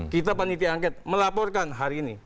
kita panitia angket melaporkan hari ini